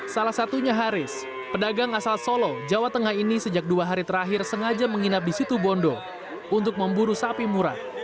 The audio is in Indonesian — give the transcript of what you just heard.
salah satunya haris pedagang asal solo jawa tengah ini sejak dua hari terakhir sengaja menginap di situ bondo untuk memburu sapi murah